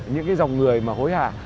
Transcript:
những dòng người hối hà